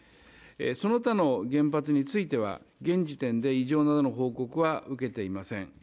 その他の原発については現時点で異常などの報告は受けていません。